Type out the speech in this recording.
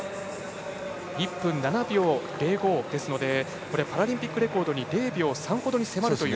１分７秒０５なのでパラリンピックレコードに０秒３ほどに迫るという。